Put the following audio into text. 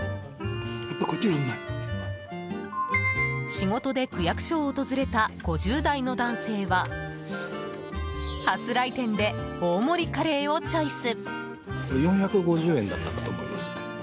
仕事で区役所を訪れた５０代の男性は初来店で大盛りカレーをチョイス。